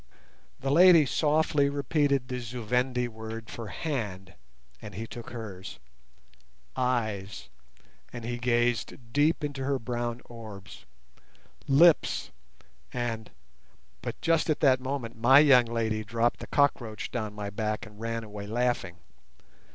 The lady softly repeated the Zu Vendi word for "hand", and he took hers; "eyes", and he gazed deep into her brown orbs; "lips", and—but just at that moment my young lady dropped the cockroach down my back and ran away laughing.